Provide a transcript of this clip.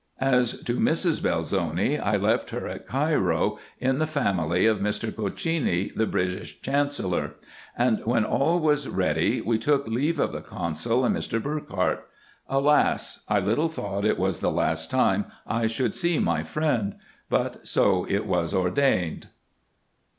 As to Mrs. Belzoni, I left her at Cairo, in the family of Mr. Cochini, the British chancellor; and when all was ready, we took leave of the consul and Mr. Burckhardt. Alas ! I little thought it was the last time I should see my friend ; but so it was ordained.